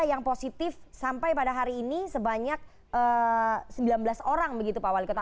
yang positif sampai pada hari ini sebanyak sembilan belas orang begitu pak wali kota